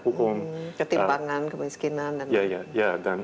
hukum ketimpangan kemiskinan